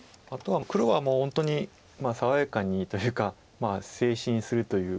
黒はもう本当に爽やかにというか捨て石にするという。